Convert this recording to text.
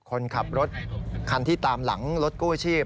คนขับรถคันที่ตามหลังรถกู้ชีพ